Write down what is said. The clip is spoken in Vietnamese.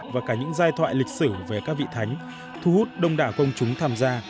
và cả những giai thoại lịch sử về các vị thánh thu hút đông đảo công chúng tham gia